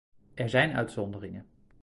Er zijn uitzonderingen.